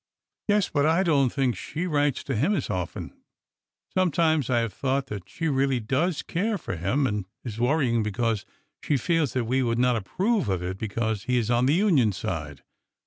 Yes, but I don't think she writes to him as often. Sometimes I have thought that she really does care for him and is worrying because she feels that we would not approve of it because he is on the Union side.